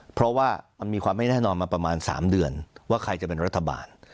เพราะว่ามันมีความไม่แน่นอนมาประมาณ๓เดือนว่าใครจะเป็นรัฐบาล